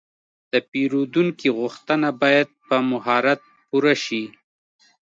د پیرودونکي غوښتنه باید په مهارت پوره شي.